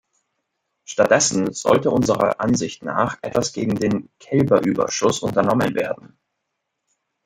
Stattdessen sollte unserer Ansicht nach etwas gegen den Kälberüberschuss unternommen werden.